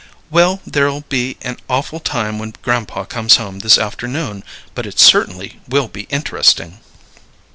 "Well, there'll be an awful time when grandpa comes home this afternoon but it certainly will be inter'sting!"